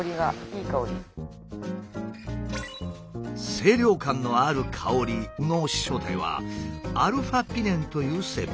清涼感のある香りの正体はα−ピネンという成分。